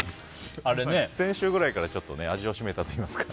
先週ぐらいからちょっと味を占めたといいますか。